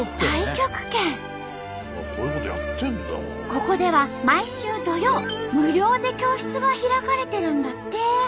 ここでは毎週土曜無料で教室が開かれてるんだって。